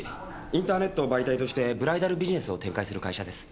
インターネットを媒体としてブライダルビジネスを展開する会社です。